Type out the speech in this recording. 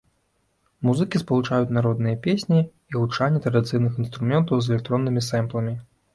Музыкі спалучаюць народныя песні і гучанне традыцыйных інструментаў з электроннымі сэмпламі.